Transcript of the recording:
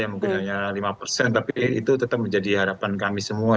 mungkin hanya lima persen tapi itu tetap menjadi harapan kami semua